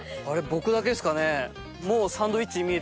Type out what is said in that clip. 僕だけですかねもう。